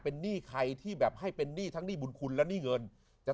เป็นหนี้ใครที่แบบให้เป็นหนี้ทั้งหนี้บุญคุณและหนี้เงินจะ